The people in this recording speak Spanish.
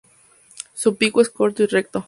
Su pico es corto y recto.